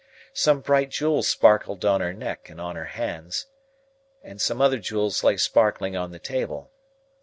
Some bright jewels sparkled on her neck and on her hands, and some other jewels lay sparkling on the table.